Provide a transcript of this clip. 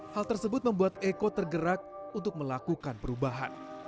hal tersebut membuat eko tergerak untuk melakukan perubahan